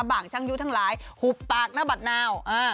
บางช่างยุทธ์ทั้งหลายหุบตากหน้าบาดนาว